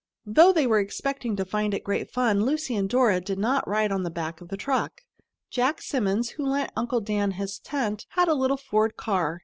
Though they were expecting to find it great fun, Lucy and Dora did not ride on the back of the truck. Jack Simmons, who lent Uncle Dan his tent, had a little Ford car.